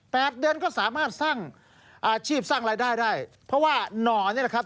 เดือนก็สามารถสร้างอาชีพสร้างรายได้ได้เพราะว่าหน่อนี่แหละครับ